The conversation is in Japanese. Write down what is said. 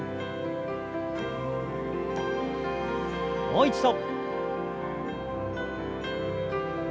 もう一度。